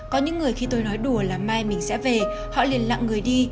có những người khi tôi nói đùa là mai mình sẽ về họ liên lạc người đi